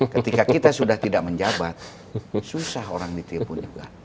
ketika kita sudah tidak menjabat susah orang ditelepon juga